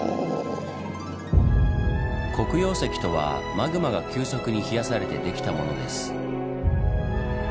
黒曜石とはマグマが急速に冷やされてできたものです。